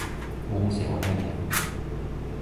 วงเสวนา